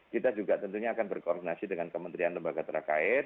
kita juga tentunya akan berkoordinasi dengan kementerian lembaga terkait